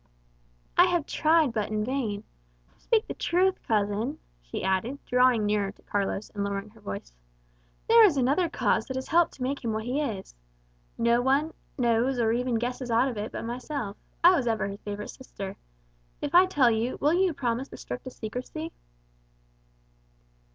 "I have tried, but in vain. To speak the truth, cousin," she added, drawing nearer to Carlos, and lowering her voice, "there is another cause that has helped to make him what he is. No one knows or even guesses aught of it but myself; I was ever his favourite sister. If I tell you, will you promise the strictest secrecy?"